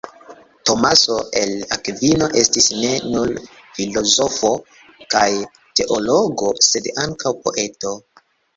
Tomaso el Akvino estis ne nur filozofo kaj teologo, sed ankaŭ poeto.